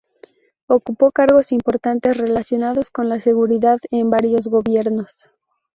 Ocupó cargos importantes relacionados con la seguridad en varios gobiernos.